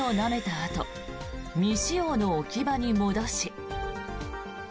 あと未使用の置き場に戻し。